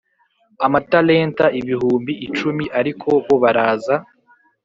amatalenta ibihumbi icumi ariko bo baraza